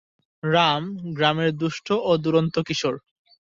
রাম গ্রামের দুষ্ট ও দুরন্ত কিশোর।